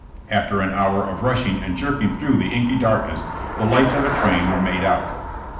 After an hour of rushing and jerking through the inky darkness, the lights of a train were made out.